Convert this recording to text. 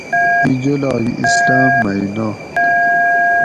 ایں جولاگ اسلام مئی نات